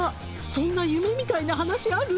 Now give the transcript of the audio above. そんな夢みたいな話ある？